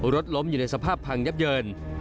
รถล้มอยู่ในสภาพพังยับเยิน